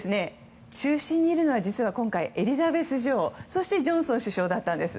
中心にいるのはエリザベス女王そしてジョンソン首相だったんです。